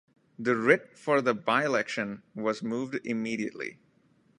The writ for the byelection was moved immediately.